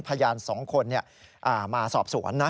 พยานสองคนนี่มาสอบสวน